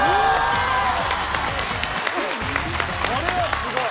これはすごい。